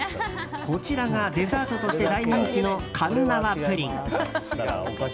こちらがデザートとして大人気のかんなわプリン。